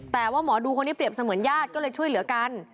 แต่ว่าหมอดูคนนี้เปรียบเสมือนญาติก็เลยช่วยเหลือกัน